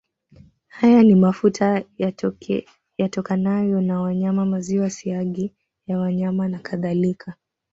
Haya ni mafuta yatokanayo na wanyama maziwa siagi ya wanyama nakadhalika